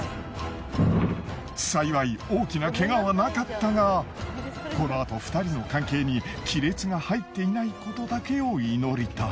幸い大きなケガはなかったがこのあと２人の関係に亀裂が入っていないことだけを祈りたい。